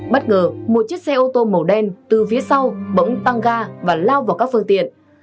bất ngờ một chiếc xe ô tô màu đen từ phía sau bỗng tăng ga và lao vào các phương tiện